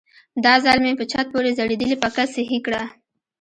دا ځل مې په چت پورې ځړېدلې پکه سهي کړه.